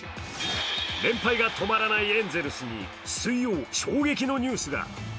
連敗が止まらないエンゼルスに水曜、衝撃のニュースが。